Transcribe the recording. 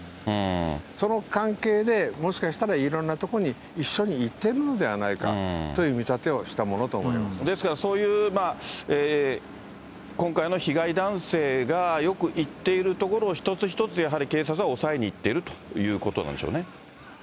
その関係でもしかしたら、いろんな所に一緒に行っているのではないかという見立てをしたもですから、そういう今回の被害男性がよく行っている所を一つ一つやはり警察はおさえに行っているということなんでしょうね。